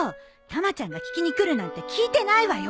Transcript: たまちゃんが聴きに来るなんて聞いてないわよ。